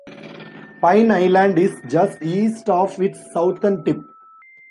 Pine Island is just east of its southern tip.